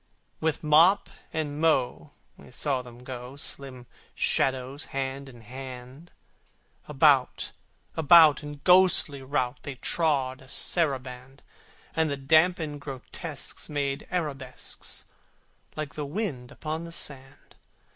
With mop and mow, we saw them go, Slim shadows hand in hand: About, about, in ghostly rout They trod a saraband: And the damned grotesques made arabesques, Like the wind upon the sand!